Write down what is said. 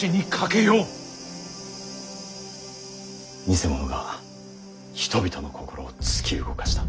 偽物が人々の心を突き動かした。